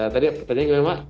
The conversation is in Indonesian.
tadi tadi gimana mbak